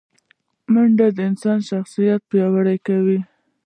منډه د انسان شخصیت پیاوړی کوي